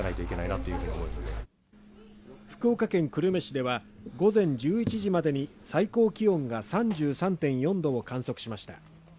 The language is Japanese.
福岡県久留米市では午前１１時までに最高気温が３３．４度を観測しました。